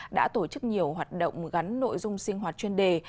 đã tổ chức nhiều hoạt động gắn nội dung sinh hoạt chuyên đề